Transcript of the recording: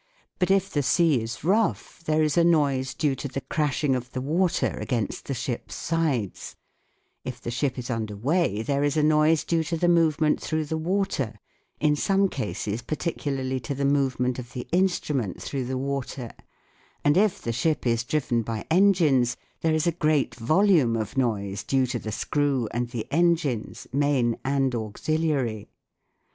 But if the sea is rough there is a noise due to the crashing of the water against the ship's sides ; if the ship is under way there is a noise due to the movement through the water, in some cases particularly to the move ment of the instrument through the water ; and if the ship is driven by engines there is a great volume of noise due to the screw and the engines, main and auxiliary.